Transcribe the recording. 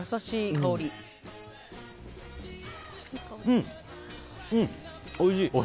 うん、おいしい。